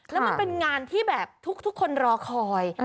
แล้วมันเป็นงานที่แบบทุกคนรอคอย